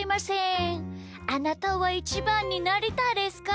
あなたはイチバンになりたいですか？